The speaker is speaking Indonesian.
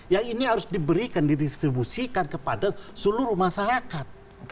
yang ini harus diberikan didistribusikan kepada seluruh masyarakat